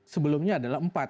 sebelumnya adalah empat